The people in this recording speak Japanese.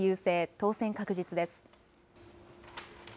当選確実です。